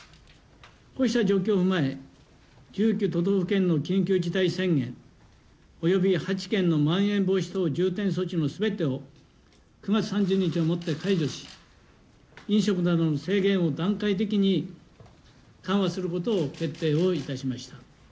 こうした状況を踏まえ、９都道府県の緊急事態宣言、および８県のまん延防止等重点措置のすべてを９月３０日をもって解除し、飲食などの制限を段階的に緩和することを決定をいたしました。